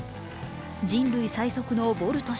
人類最速のボルト氏。